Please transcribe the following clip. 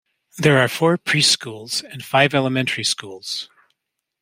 There are four preschools and five elementary schools.